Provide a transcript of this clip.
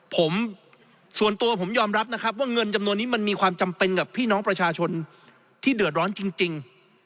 ผมส่วนตัวผมยอมรับนะครับว่าเงินจำนวนนี้มันมีความจำเป็นกับพี่น้องประชาชนที่เดือดร้อนจริง